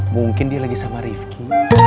mungkin dia lagi sama rifki